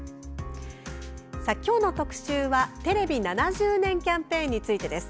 今日の特集は「テレビ７０年」キャンペーンについてです。